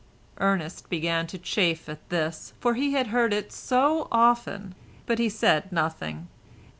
Ernest began to chafe at this, for he had heard it so often, but he said nothing.